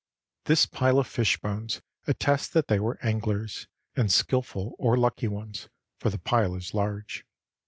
This pile of fish bones attests that they were anglers, and skillful or lucky ones, for the pile is large.